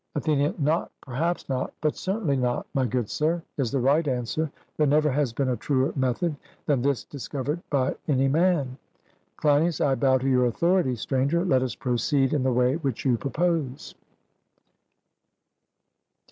ATHENIAN: Not 'Perhaps not,' but 'Certainly not,' my good sir, is the right answer. There never has been a truer method than this discovered by any man. CLEINIAS: I bow to your authority, Stranger; let us proceed in the way which you propose.